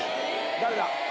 誰だ？